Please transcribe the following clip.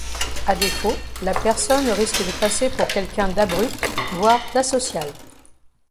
À défaut, la personne risque de passer pour quelqu'un d'abrupt voire d'asocial.